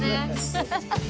ハハハハハ。